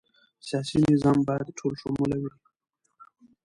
سیاسي نظام باید ټولشموله وي